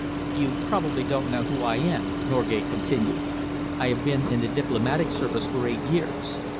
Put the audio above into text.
"You probably don't know who I am," Norgate continued. "I have been in the Diplomatic Service for eight years.